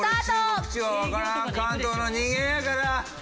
関東の人間やから！